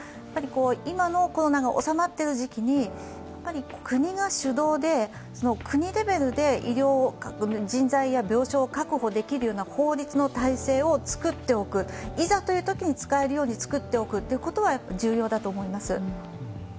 今のコロナが収まっている時期に国が主導で、国レベルで人材や病床を確保できるような効率の体制を作っておくいざという時に使えるように作っておくことは重要だと思います。